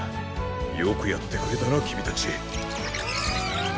よくやってくれたなきみたち。